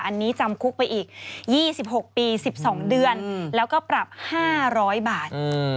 อันนี้จำคุกไปอีก๒๖ปี๑๒เดือนแล้วก็ปรับ๕๐๐บาท